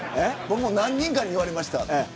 僕も何人かに言われました。